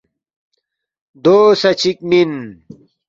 ”دو سہ چِک مِن